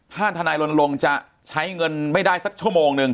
ถ้าทนายรณรงค์จะใช้เงินไม่ได้สักชั่วโมงหนึ่ง